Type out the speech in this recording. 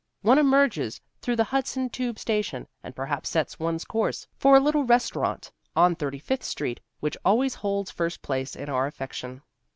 One emerges through the Hudson Tube station and perhaps sets one's course for a little restaurant on Thirty fifth Street which always holds first place in our affection.